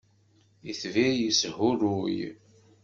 Itbir yeshuruy